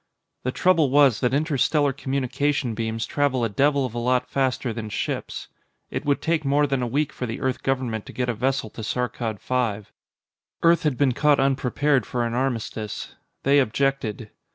The trouble was that interstellar communication beams travel a devil of a lot faster than ships. It would take more than a week for the Earth government to get a vessel to Saarkkad V. Earth had been caught unprepared for an armistice. They objected.